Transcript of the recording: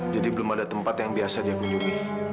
jadi belum ada tempat yang biasa dia kunjungi